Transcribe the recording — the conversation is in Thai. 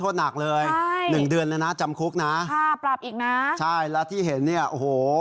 หนักเลยใช่หนึ่งเดือนแล้วนะจำคุกนะค่ะปรับอีกนะใช่แล้วที่เห็นเนี่ยโอ้โห